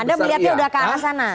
anda melihatnya sudah ke arah sana